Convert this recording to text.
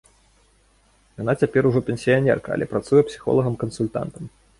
Яна цяпер ужо пенсіянерка, але працуе псіхолагам-кансультантам.